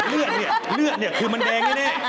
เลือดเนี่ยเลือดเนี่ยคือมันแดงแน่